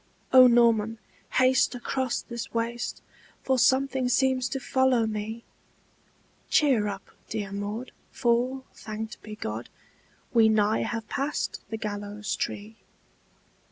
"O Norman, haste across this waste For something seems to follow me!" "Cheer up, dear Maud, for, thanked be God, We nigh have passed the gallows tree!"